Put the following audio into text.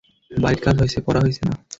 বাড়ির কাজ হইসে, পড়া হইসে না।